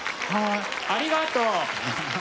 ありがとう。